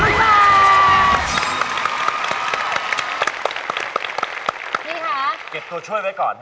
พี่คะเก็บตัวช่วยไว้ก่อน